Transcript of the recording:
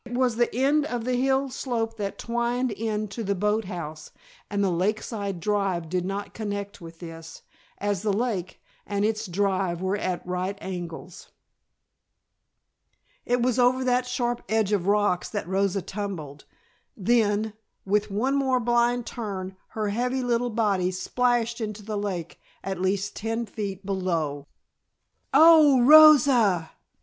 It was the end of the hill slope that twined in to the boat house, and the lakeside drive did not connect with this, as the lake and its drive were at right angles. It was over that sharp edge of rocks that Rosa tumbled, then, with one more blind turn, her heavy little body splashed into the lake at least ten feet below! "Oh, Rosa!"